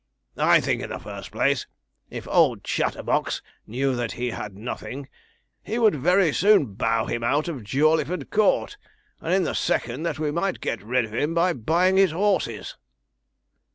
I think, in the first place, if old Chatterbox knew that he had nothing, he would very soon bow him out of Jawleyford Court; and in the second, that we might get rid of him by buying his horses.'